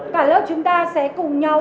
cả lớp chúng ta sẽ cùng nhau